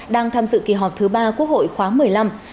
đang tham dự kỳ họp thứ ba quốc hội khóa một mươi năm